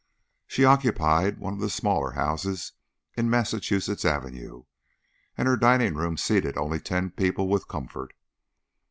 She occupied one of the smaller houses in Massachusetts Avenue, and her dining room seated only ten people with comfort.